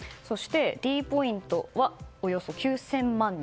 ｄポイントはおよそ９０００万人。